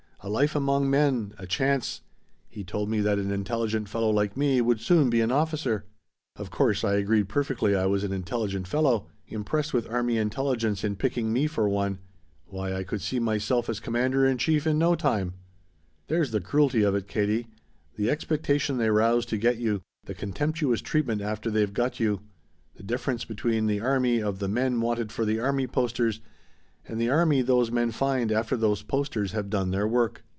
A life among men. A chance. He told me that an intelligent fellow like me would soon be an officer. Of course I agreed perfectly I was an intelligent fellow, impressed with army intelligence in picking me for one. Why I could see myself as commander in chief in no time! "There's the cruelty of it, Katie. The expectation they rouse to get you the contemptuous treatment after they've got you. The difference between the army of the 'Men Wanted For the Army' posters and the army those men find after those posters have done their work.